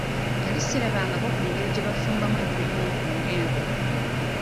Nali sirabangako ku ngeri gye bafumbamu empummumpu ng'enva.